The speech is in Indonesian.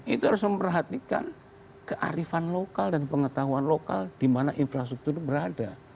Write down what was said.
itu harus memperhatikan kearifan lokal dan pengetahuan lokal di mana infrastruktur itu berada